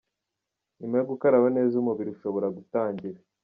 Nyuma yo gukaraba neza umubiri ushobora gutangira